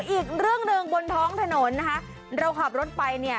อีกเรื่องหนึ่งบนท้องถนนนะคะเราขับรถไปเนี่ย